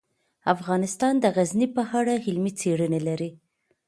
افغانستان د غزني په اړه علمي څېړنې لري.